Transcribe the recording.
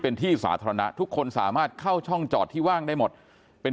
เป็นที่สาธารณะทุกคนสามารถเข้าช่องจอดที่ว่างได้หมดเป็น